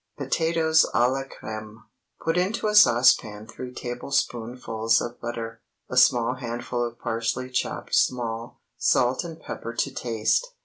POTATOES À LA CRÈME. ✠ Put into a saucepan three tablespoonfuls of butter, a small handful of parsley chopped small, salt and pepper to taste.